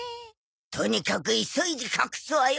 とにかく急いで隠すわよ！